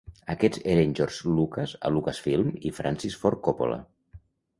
Aquests eren George Lucas a Lucasfilm i Francis Ford Coppola.